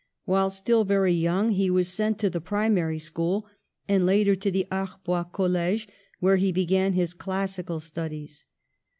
While still very young he was sent to the pri mary school, and later to the Arbois college, where he began his classical studies.